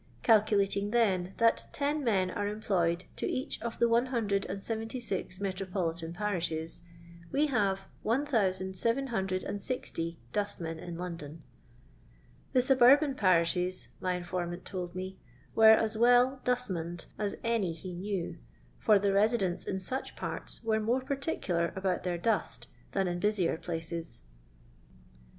Calculating, then, that ten men are employed to each of the 176 metropoli tan parishes, we have 1760 dustmen in Lo^^don. The suburban parishes, my informant told mOy were as well "dustmaned" as any he knew; for the residents in such parts were more particular about their dust than in busier places.